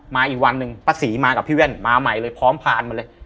อีกวันหนึ่งป้าศรีมากับพี่แว่นมาใหม่เลยพร้อมพานมาเลย